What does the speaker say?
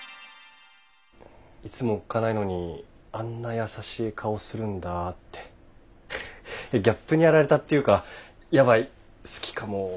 いつもおっかないのにあんな優しい顔するんだってギャップにやられたっていうかヤバい好きかもって。